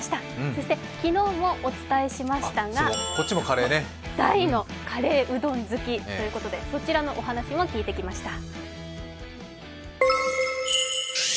そして、昨日もお伝えしましたが大のカレーうどん好きということでそちらのお話も聞いてきました。